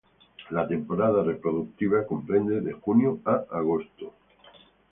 La temporada reproductiva comprende de junio a agosto.